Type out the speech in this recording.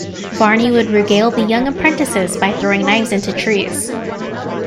Varney would regale the young apprentices by throwing knives into trees.